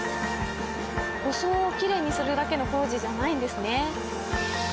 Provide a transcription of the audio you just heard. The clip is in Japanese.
装をきれいにするだけの工事じゃないんですね。